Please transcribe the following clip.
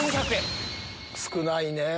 少ないねぇ。